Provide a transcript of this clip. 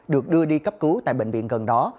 được đưa đi cấp cứu tại bệnh viện gần đó